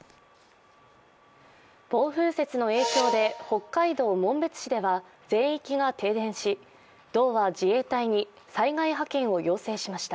暴風雪の影響で北海道紋別市では全域が停電し道は自衛隊に災害派遣を要請しました。